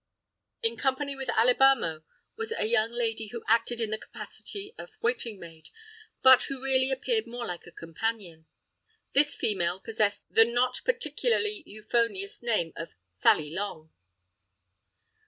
In company with Alibamo, was a young lady who acted in the capacity of waiting maid, but who really appeared more like a companion. This female possessed the not particularly euphonious name of Sally Long.